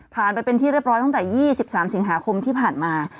ไปเป็นที่เรียบร้อยตั้งแต่๒๓สิงหาคมที่ผ่านมา